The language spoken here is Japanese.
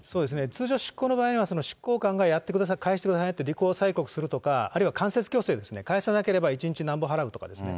通常、執行の場合は執行官がやってください、返してくださいと履行を催告するとか、間接強制ですか、返さなければ１日なんぼ払うとかですね。